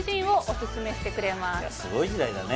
すごい時代だね。